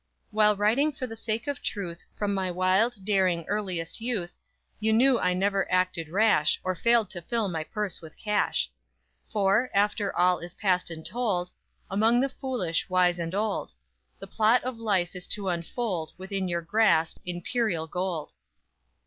_While writing for the sake of Truth, From my wild, daring, earliest youth, You knew I never acted rash Or failed to fill my purse with cash;_ _For, after all is past and told Among the foolish, wise and old The plot of life is to enfold Within your grasp, Imperial Gold!